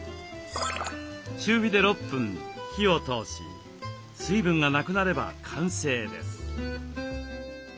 中火で６分火を通し水分がなくなれば完成です。